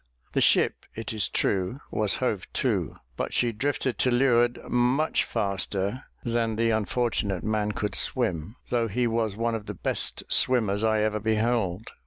The ship, it is true, was hove to; but she drifted to leeward much faster than the unfortunate man could swim, though he was one of the best swimmers I ever beheld.